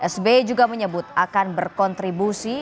sbi juga menyebut akan berkontribusi